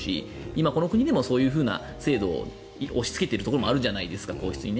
今この国でもそういう制度を押し付けているところもあるじゃないですか、皇室に。